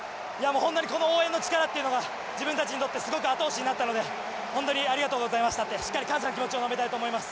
本当にこの応援の力っていうのが自分たちにとってすごく後押しになったので本当にありがとうございましたってしっかり感謝の気持ちを述べたいと思います。